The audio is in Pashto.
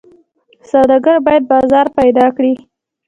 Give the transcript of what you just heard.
سوداګر باید بازار پیدا کړي.